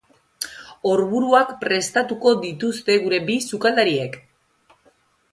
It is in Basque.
Orburuak prestatuko dituzte gure bi sukaldariek.